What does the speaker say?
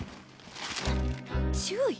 注意？